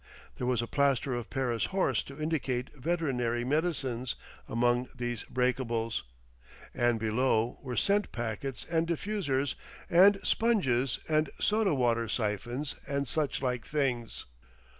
There was a plaster of Paris horse to indicate veterinary medicines among these breakables, and below were scent packets and diffusers and sponges and soda water syphons and such like things.